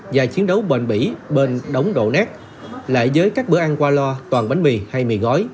và chiến đấu bền bỉ bên đống đổ nát lại với các bữa ăn qua lo toàn bánh mì hay mì gói